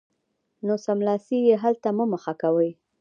نو سملاسي یې حل ته مه مخه کوئ